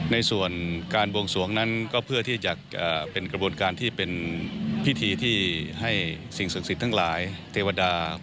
ในส่วนการบวงสวงนั้นก็เพื่อที่จะเป็นกระบวนการที่เป็นพิธีที่ให้สิ่งศักดิ์สิทธิ์ทั้งหลายเทวดา